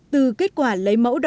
từ kết quả lấy mẫu đo đạc